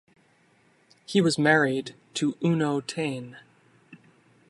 He was married to Uno Tane.